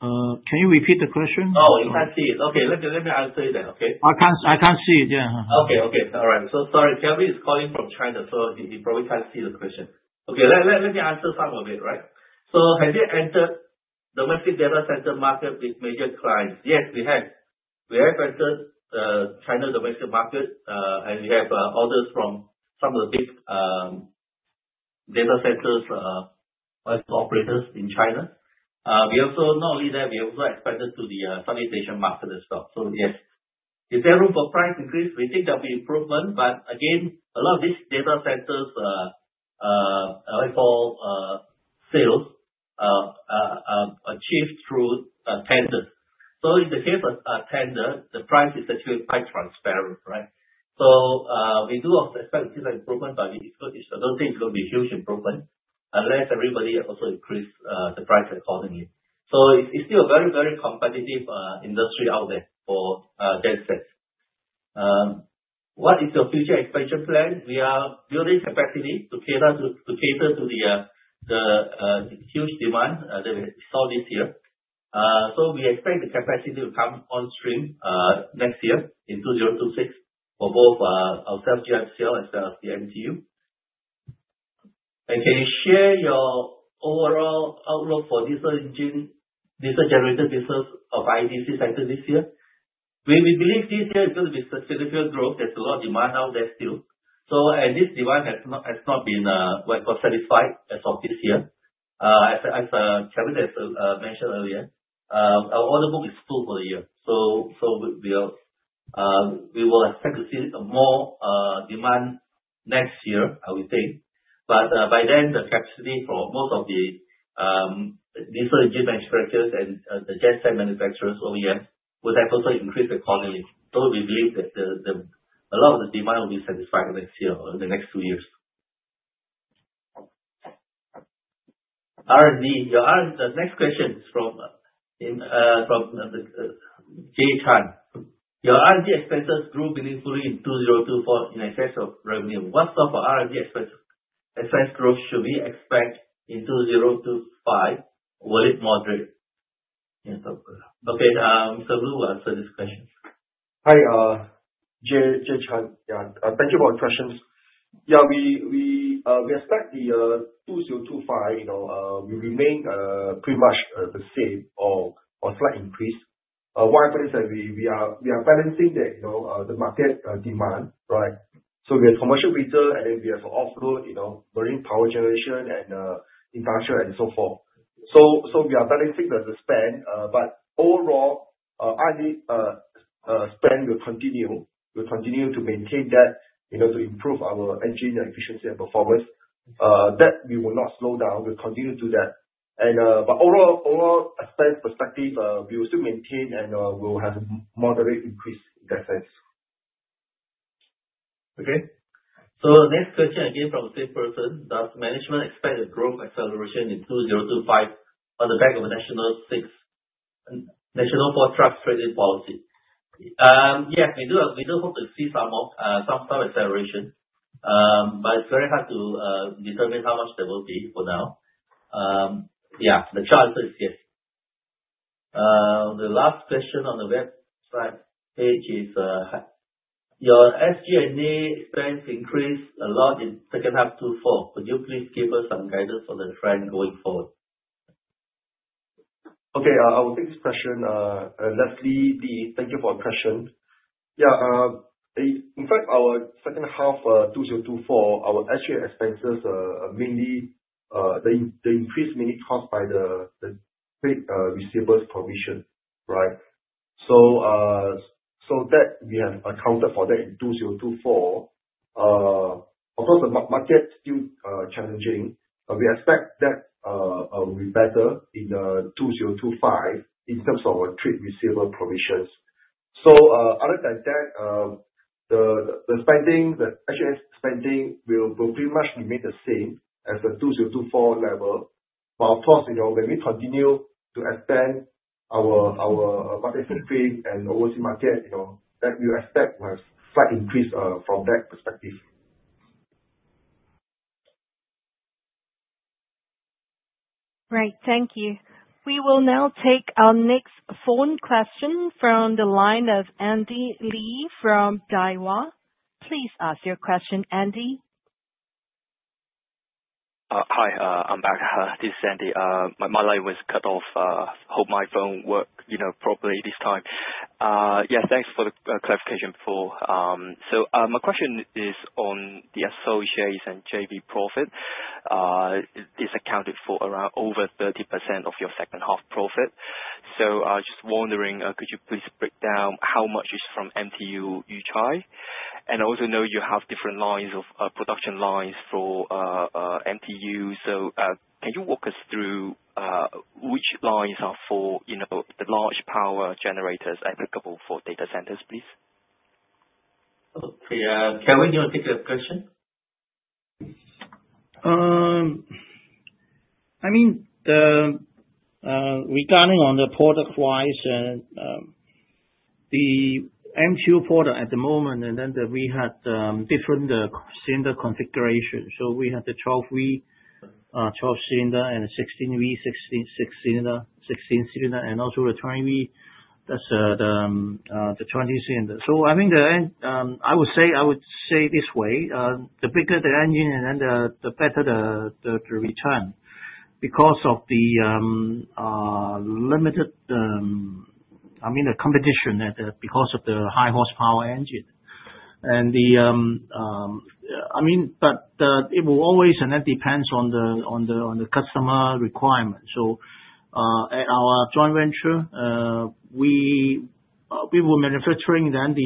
Can you repeat the question? Oh, you can't see it. Okay. Let me answer it then. Okay? I can't see it. Yeah. Okay. All right. So sorry. Kevin is calling from China, so he probably can't see the question. Okay. Let me answer some of it, right? So have you entered domestic data center market with major clients? Yes, we have. We have entered the China domestic market, and we have orders from some of the big data centers operators in China. Not only that, we have also expanded to the Southeast Asian market as well. So yes. Is there room for price increase? We think there'll be improvement. But again, a lot of these data centers for sales are achieved through tenders. So in the case of tenders, the price is actually quite transparent, right? So we do expect to see some improvement, but I don't think it's going to be a huge improvement unless everybody also increases the price accordingly. So it's still a very, very competitive industry out there for Gensets. What is your future expansion plan? We are building capacity to cater to the huge demand that we saw this year. So we expect the capacity to come on stream next year in 2026 for both ourselves, GYMCL, as well as the MTU. And can you share your overall outlook for diesel generator business of IDC sector this year? We believe this year is going to be significant growth. There's a lot of demand out there still. This demand has not been satisfied as of this year. As Kevin mentioned earlier, our order book is full for the year. We will expect to see more demand next year, I would think. But by then, the capacity for most of the diesel engine manufacturers and the Genset manufacturers OEMs would have also increased accordingly. We believe that a lot of the demand will be satisfied next year or in the next two years. R&D. The next question is from Jay Chan. Your R&D expenses grew meaningfully in 2024 in excess of revenue. What sort of R&D expense growth should we expect in 2025? Will it moderate? Okay. Mr. Loo, answer this question. Hi. Jay Chan. Thank you for the questions. Yeah. We expect the 2025 will remain pretty much the same or slight increase. Why? But we are balancing the market demand, right? So we have commercial reserve, and then we have an off-road, Marine power generation, and industrial, and so forth. So we are balancing the spend. But overall, our spend will continue to maintain that to improve our engine efficiency and performance. That we will not slow down. We'll continue to do that. But overall, a spend perspective, we will still maintain and will have a moderate increase in that sense. Okay. So the next question again from the same person. Does management expect a growth acceleration in 2025 on the back of a National VI for trucks trading policy? Yes. We do hope to see some acceleration. But it's very hard to determine how much there will be for now. Yeah. The last question on the website page is, your SG&A expense increased a lot in second half 2024. Could you please give us some guidance for the trend going forward? Okay. I will take this question. Leslie Lee, thank you for the question. Yeah. In fact, our second half of 2024, our SG&A expenses mainly the increase mainly caused by the trade receivables provision, right? So that we have accounted for that in 2024. Of course, the market is still challenging. We expect that will be better in 2025 in terms of our trade receivables provisions. So other than that, the spending, the SG&A spending will pretty much remain the same as the 2024 level. But of course, when we continue to expand our market footprint and overseas market, that we expect will have slight increase from that perspective. Right. Thank you. We will now take our next phone question from the line of Andy Li from Daiwa. Please ask your question, Andy. Hi. I'm back. This is Andy. My line was cut off. Hope my phone worked properly this time. Yes. Thanks for the clarification before. So my question is on the associates and JV profit. It's accounted for around over 30% of your second half profit. So I was just wondering, could you please break down how much is from MTU Yuchai? And I also know you have different lines of production lines for MTU. So can you walk us through which lines are for the large power generators applicable for data centers, please? Okay. Kevin, you want to take that question? I mean, regarding on the product-wise, the MTU product at the moment, and then we had different cylinder configurations. So we had the 12V, 12 cylinder, and the 16V, 16 cylinder, and also the 20V. That's the 20 cylinder. I mean, I would say this way, the bigger the engine, and then the better the return because of the limited, I mean, the competition because of the high horsepower engine. I mean, but it will always and that depends on the customer requirement. So at our joint venture, we will manufacturing then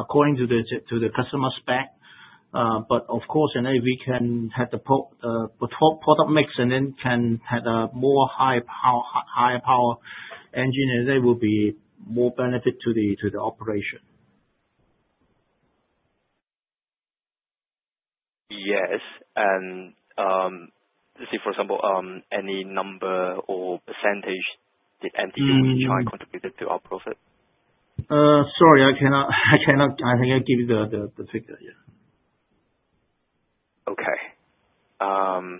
according to the customer spec. But of course, and then if we can have the product mix and then can have a more high-power engine, and that will be more benefit to the operation. Yes. And let's see, for example, any number or percentage that MTU Yuchai contributed to our profit? Sorry, I cannot. I think I gave you the figure. Yeah. Okay.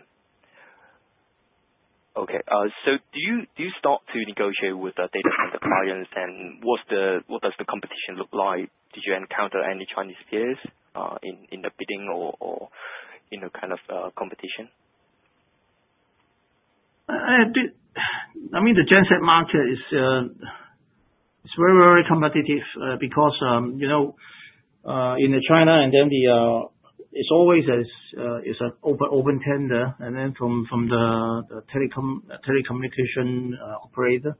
Okay. So do you start to negotiate with data center clients? And what does the competition look like? Did you encounter any Chinese peers in the bidding or kind of competition? I mean, the Genset market is very, very competitive because in China, and then it's always an open tender. And then from the telecommunication operator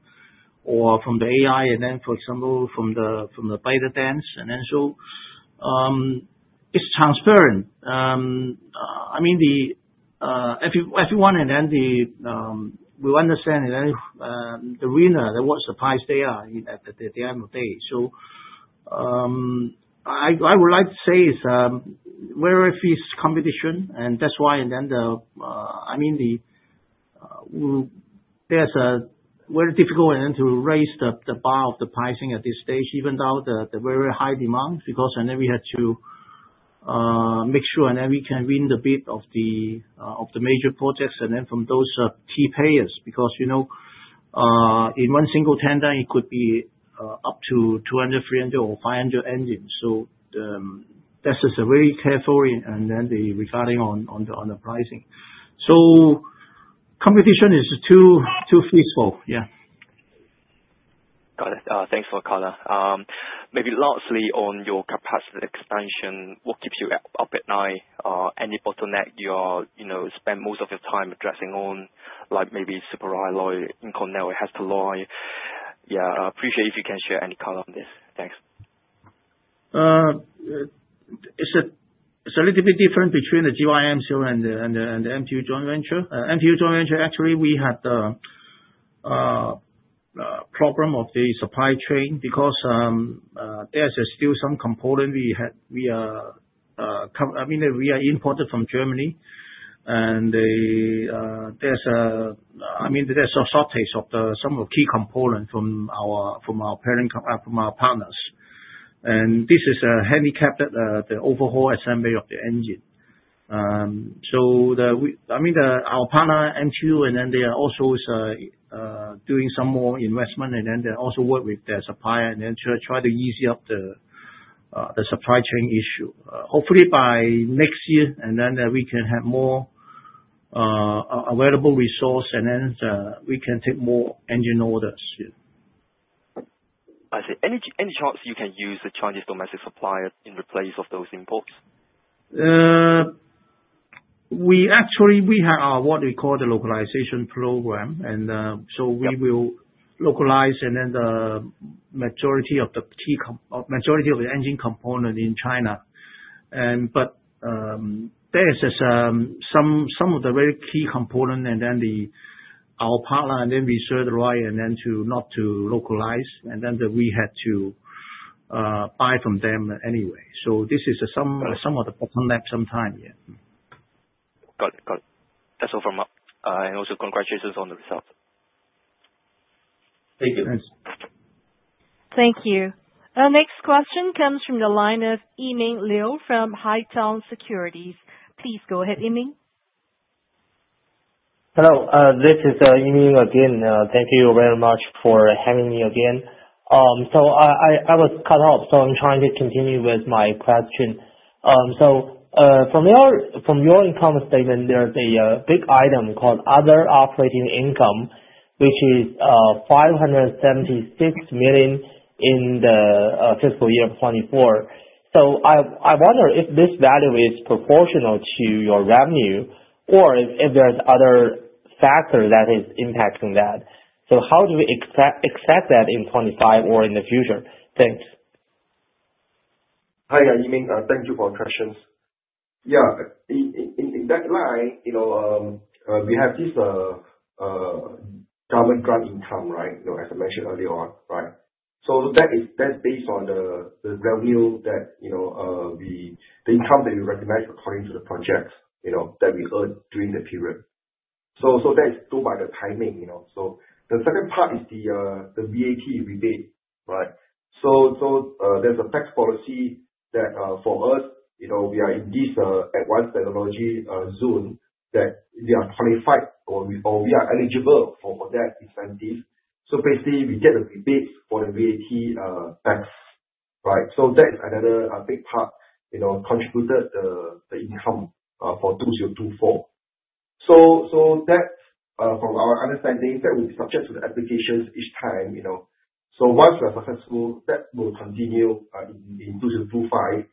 or from the AI, and then, for example, from ByteDance. And then so it's transparent. I mean, everyone and then we understand the winner and what the price is at the end of the day. So I would like to say it's very fierce competition. And that's why then I mean, it's very difficult and then to raise the bar of the pricing at this stage, even though there's very high demand because then we have to make sure and then we can win the bid of the major projects and then from those key players because in one single tender, it could be up to 200, 300, or 500 engines. So that's just a very careful and then regarding on the pricing. So competition is too fierce for yeah. Got it. Thanks for the color. Maybe lastly, on your capacity expansion, what keeps you up at night? Any bottleneck you spend most of your time addressing on, like maybe superalloy, inconel, hastelloy? Yeah. Appreciate if you can share any color on this. Thanks. It's a little bit different between the GYMCL and the MTU joint venture. MTU joint venture, actually, we had the problem of the supply chain because there's still some component we have. I mean, we import from Germany. And I mean, there's a shortage of some of the key components from our partners. And this has handicapped the overall assembly of the engine. So I mean, our partner, MTU, and then they are also doing some more investment, and then they also work with their supplier and then try to ease up the supply chain issue. Hopefully, by next year, and then we can have more available resource, and then we can take more engine orders. I see. Any chance you can use the Chinese domestic supplier in place of those imports? Actually, we have what we call the localization program, and so we will localize and then the majority of the key majority of the engine component in China, but there's some of the very key component and then our partner, and then we said, "Right," and then not to localize, and then we had to buy from them anyway, so this is some of the bottleneck sometime. Yeah. Got it. Got it. That's all from me. And also congratulations on the result. Thank you. Thanks. Thank you. Our next question comes from the line of Yiming Liu from Haitong Securities. Please go ahead, Yiming. Hello. This is Yiming again. Thank you very much for having me again. So I was cut off. So I'm trying to continue with my question. So from your income statement, there's a big item called other operating income, which is 576 million in the fiscal year of 2024. So I wonder if this value is proportional to your revenue or if there's other factors that are impacting that. So how do we expect that in 2025 or in the future? Thanks. Hi, Yiming. Thank you for the questions. Yeah. In that line, we have this government grant income, right, as I mentioned earlier, right? That's based on the revenue, the income that we recognize according to the projects that we earned during the period. That is due to the timing. The second part is the VAT rebate, right? There's a tax policy that for us, we are in this advanced technology zone that we are qualified or we are eligible for that incentive. Basically, we get the rebates for the VAT tax, right? That is another big part contributed the income for 2024. From our understanding, that will be subject to the applications each time. Once we are successful, that will continue in 2025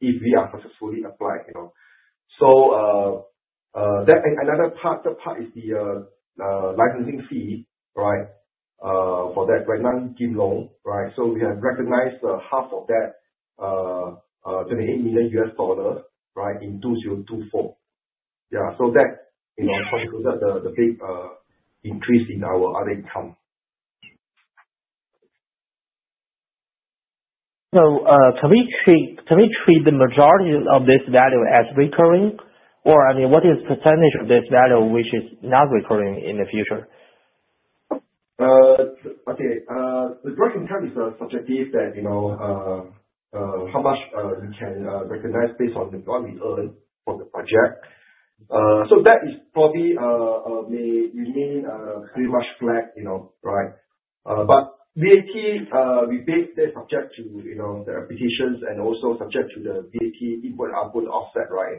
if we are successfully applied. That another part is the licensing fee, right, for that, right, Kim Long, right? We have recognized half of that, $28 million, in 2024. Yeah. So that contributed the big increase in our other income. So can we treat the majority of this value as recurring? Or I mean, what is the percentage of this value which is not recurring in the future? Okay. The joint income is subject to how much you can recognize based on what we earned for the project. So that is probably may remain pretty much flat, right? But VAT rebate is subject to the applications and also subject to the VAT input, output, offset, right?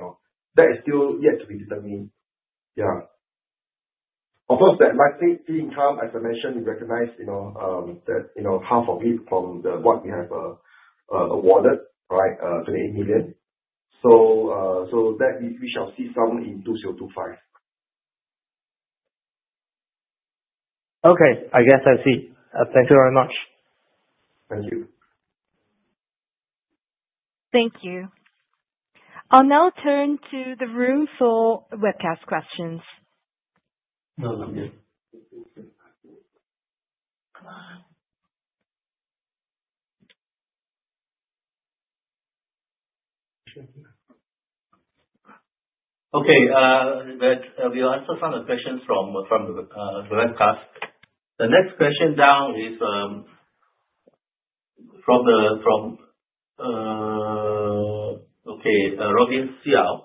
That is still yet to be determined. Yeah. Of course, that licensing fee income, as I mentioned, we recognize that half of it from what we have awarded, right, 28 million. So that we shall see some in 2025. Okay. I guess I see. Thank you very much. Thank you. Thank you. I'll now turn to the room for webcast questions. Okay. We'll answer some of the questions from the webcast. The next question down is from Robin Xiao.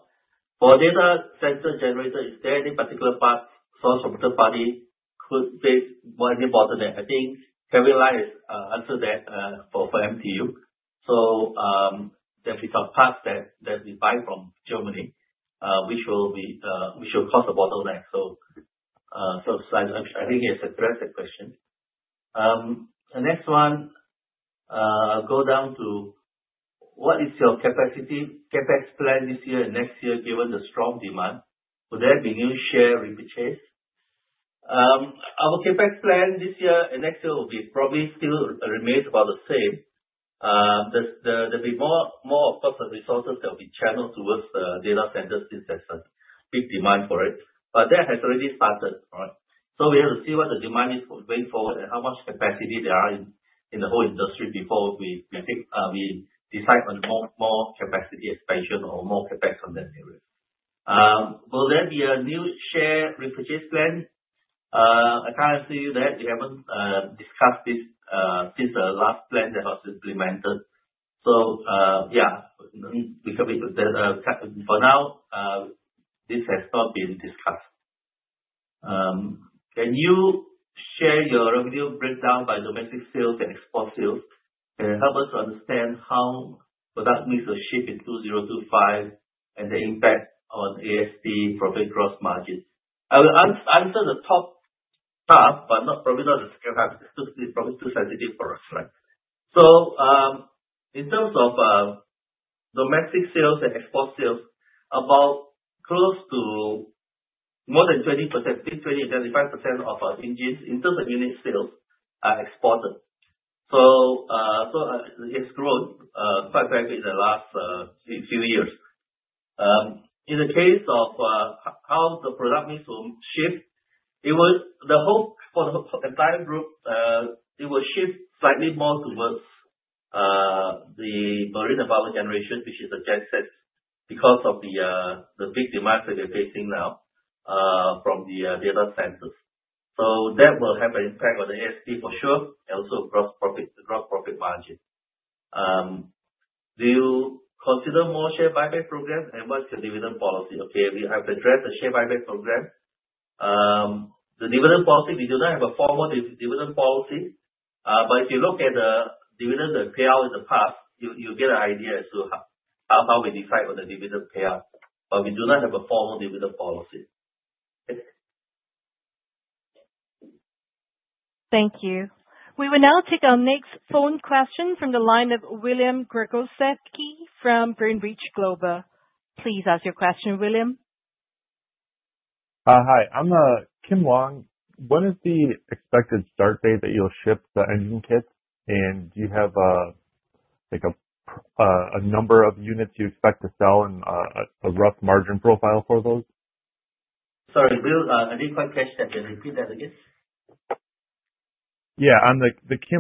For data center generator, is there any particular part source or third party could be any bottleneck? I think Kelvin Lai answered that for MTU. So there's a part that we buy from Germany, which will cause a bottleneck. So I think it's a direct question. The next one, go down to what is your capacity CapEx plan this year and next year given the strong demand? Would there be new share repurchase? Our CapEx plan this year and next year will probably still remain about the same. There'll be more, of course, of resources that will be channeled towards the data centers since there's a big demand for it. But that has already started, right? So we have to see what the demand is going forward and how much capacity there are in the whole industry before we decide on more capacity expansion or more CapEx on that area. Will there be a new share repurchase plan? I can't see that. We haven't discussed this since the last plan that was implemented. So yeah, for now, this has not been discussed. Can you share your revenue breakdown by domestic sales and export sales? Can you help us to understand how product mix will shift in 2025 and the impact on ASP profit gross margin? I will answer the top half, but probably not the second half. It's probably too sensitive for us, right? So in terms of domestic sales and export sales, about close to more than 20%, between 20% and 25% of engines in terms of unit sales are exported. So it has grown quite rapidly in the last few years. In the case of how the product mix will shift, the entire group, it will shift slightly more towards the marine and biogas generation, which is adjacent because of the big demand that we're facing now from the data centers. So that will have an impact on the Industrial Machinery for sure and also across profit margin. Do you consider more share buyback programs and what's the dividend policy? Okay. We have addressed the share buyback program. The dividend policy, we do not have a formal dividend policy. But if you look at the dividend payout in the past, you'll get an idea as to how we decide on the dividend payout. But we do not have a formal dividend policy. Thank you. We will now take our next phone question from the line of William Gregozeski from Greenridge Global. Please ask your question, William. Hi. I'm William. When is the expected start date that you'll ship the engine kits? And do you have a number of units you expect to sell and a rough margin profile for those? Sorry, I didn't quite catch that. Can you repeat that again? Yeah. I'm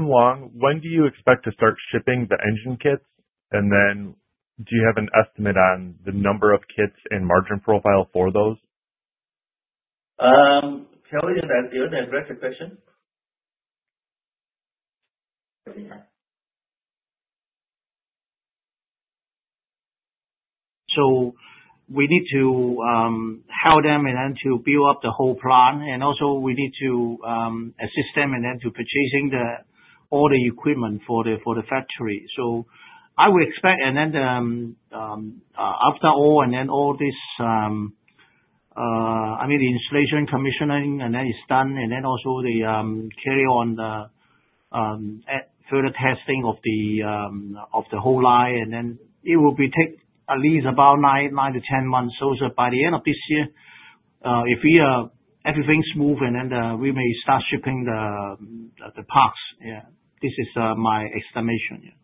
William. When do you expect to start shipping the engine kits? And then do you have an estimate on the number of kits and margin profile for those? Kevin, is that a direct question? So we need to help them and then to build up the whole plan. And also we need to assist them and then to purchasing all the equipment for the factory. So I would expect and then after all, and then all this, I mean, the installation commissioning and then it's done. And then also carry on further testing of the whole line. And then it will take at least about nine to 10 months. So by the end of this year, if everything's smooth, and then we may start shipping the parts. Yeah. This is my estimation. Yeah.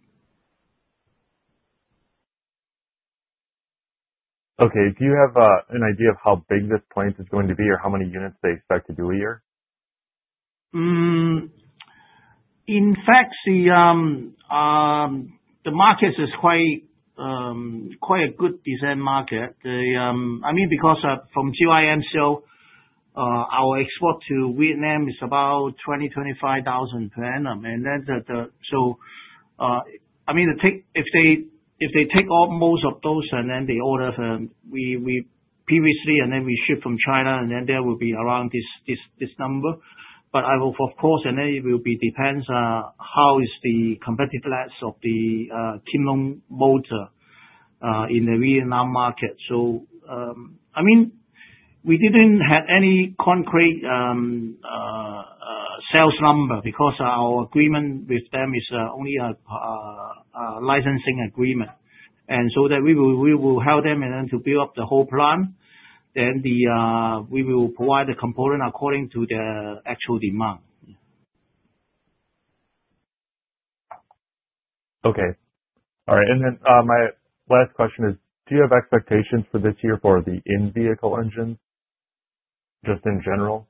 Okay. Do you have an idea of how big this plant is going to be or how many units they expect to do a year? In fact, the market is quite a good-sized market. I mean, because from GYMCL, our export to Vietnam is about 20-25 thousand tons. And then so I mean, if they take out most of those and then they order from previously, and then we ship from China, and then there will be around this number. But of course, and then it will depend on how is the competitive landscape of the Kim Long Motor in the Vietnam market. So I mean, we didn't have any concrete sales number because our agreement with them is only a licensing agreement. And so that we will help them and then to build up the whole plan. Then we will provide the component according to their actual demand. Okay. All right. And then my last question is, do you have expectations for this year for the in-vehicle engines just in general?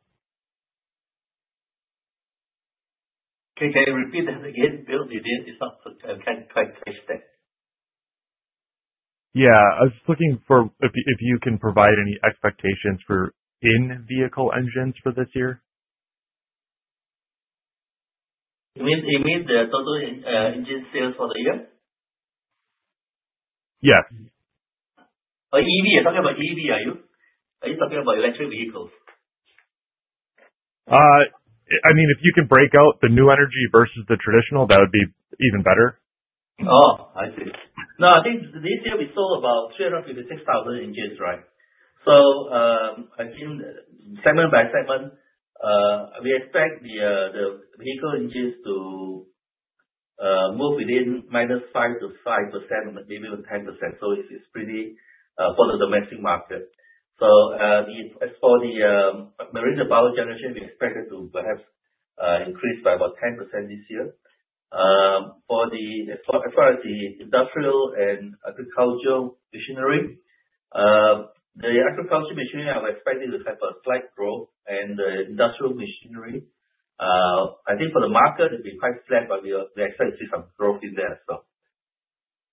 Can you repeat that again? But the line is not quite clear today. Yeah. I was just looking for if you can provide any expectations for in-vehicle engines for this year. You mean the total engine sales for the year? Yes. Talking about EV, are you? Are you talking about electric vehicles? I mean, if you can break out the new energy versus the traditional, that would be even better. Oh, I see. No, I think this year we sold about 356,000 engines, right? So I think segment by segment, we expect the Vehicle Engines to move within -5% to 5%, maybe even 10%. So it's pretty for the domestic market. So as for the marine and biogas generation, we expect it to perhaps increase by about 10% this year. As far as the industrial and agricultural machinery, the Agricultural Machinery I was expecting to have a slight growth. And the industrial machinery, I think for the market, it'll be quite flat, but we expect to see some growth in there as well.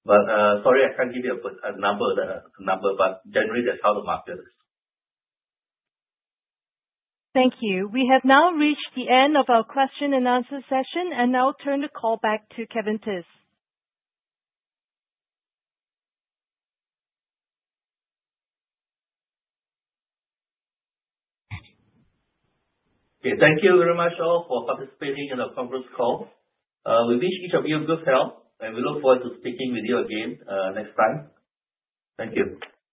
But sorry, I can't give you a number, but generally, that's how the market is. Thank you. We have now reached the end of our question and answer session, and I'll turn the call back to Kevin Theiss. Okay. Thank you very much all for participating in the conference call. We wish each of you good health, and we look forward to speaking with you again next time. Thank you.